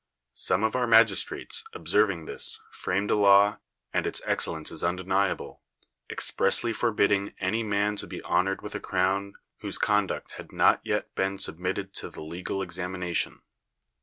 Some of our inagisti ates, observing this^ framed a law (and its excellence is undeniable) expressly forbidding any man to be honored with a crown whose conduct had not yet been submitted to the legal examination.